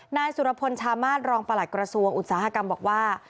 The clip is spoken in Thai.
นายสุรพลชามาศรองประหลัดกระทรวงอุตสาหกรรมบอกว่า